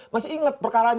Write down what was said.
masih ingat perkaraannya